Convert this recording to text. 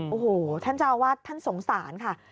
โอ้โหท่านเจ้าอาวาสท่านสงสารค่ะ